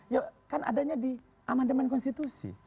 ya kan adanya di amandemen konstitusi